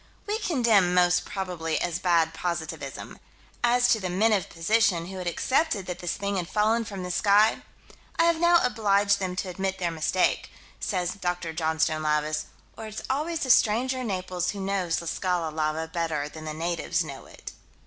We condemn "most probably" as bad positivism. As to the "men of position," who had accepted that this thing had fallen from the sky "I have now obliged them to admit their mistake," says Dr. Johnstone Lavis or it's always the stranger in Naples who knows La Scala lava better than the natives know it.